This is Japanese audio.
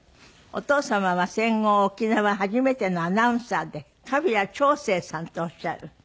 お父様は戦後沖縄初めてのアナウンサーで川平朝清さんとおっしゃる。